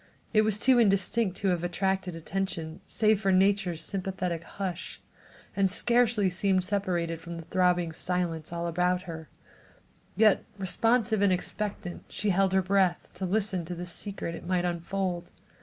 It was too indistinct to have attracted attention save for nature's sympathetic hush, and scarcely seemed separated from the throbbing silence all about her; yet, responsive and expectant she held her breath to listen to the secret it might unfold.